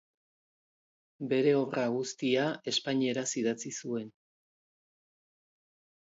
Bere obra guztia espainieraz idatzi zuen.